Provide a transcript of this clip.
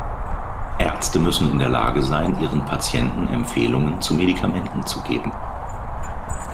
Ärzte müssen in der Lage sein, ihren Patienten Empfehlungen zu Medikamenten zu geben.